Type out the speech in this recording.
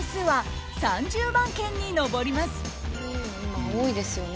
今多いですよね